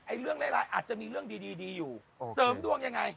เรื่องร้ายอาจจะมีเรื่องดีดีอยู่เสริมดวงยังไง